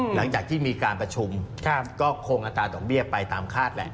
หลังจากที่มีการประชุมก็คงอัตราดอกเบี้ยไปตามคาดแหละ